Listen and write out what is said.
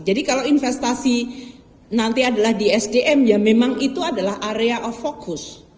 jadi kalau investasi nanti adalah di sdm ya memang itu adalah area of focus